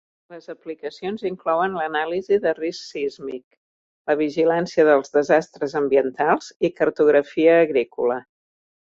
Les aplicacions inclouen l'anàlisi de risc sísmic, la vigilància dels desastres ambientals i cartografia agrícola.